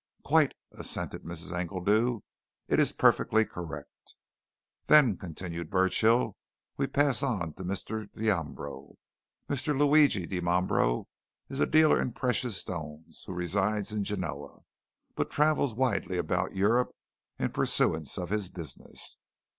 "Quite," assented Mrs. Engledew. "It is perfectly correct." "Then," continued Burchill, "we pass on to Mr. Dimambro. Mr. Luigi Dimambro is a dealer in precious stones, who resides in Genoa, but travels widely about Europe in pursuance of his business.